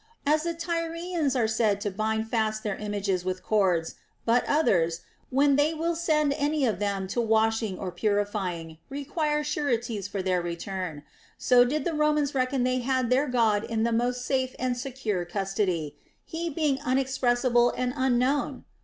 As the Tyrians are said to bind fast their images with cords, but others, when they will send any of them to washing or purifying, require sureties for their return ; so did the Romans reckon they had their God in most safe and secure custody, he being unexpres sible and unknown?